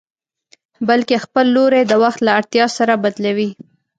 بلکې خپل لوری د وخت له اړتيا سره بدلوي.